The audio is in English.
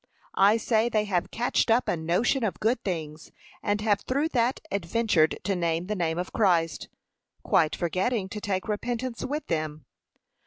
I say, they have catched up a notion of good things, and have through that adventured to name the name of Christ, quite forgetting to take repentance with them.